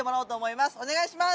お願いします。